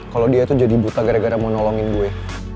kalau dia itu jadi buta gara gara mau nolongin gue